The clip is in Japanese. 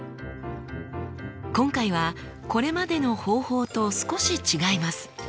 今回はこれまでの方法と少し違います。